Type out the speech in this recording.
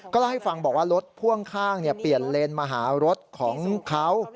เล่าให้ฟังบอกว่ารถพ่วงข้างเปลี่ยนเลนมาหารถของเขา